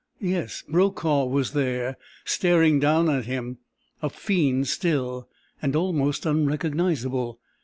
Yes, Brokaw was there! Staring down at him. A fiend still. And almost unrecognizable.